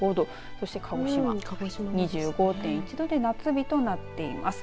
そして鹿児島２５．１度で夏日となっています。